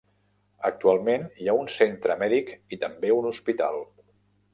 Actualment hi ha un centre mèdic i també un hospital.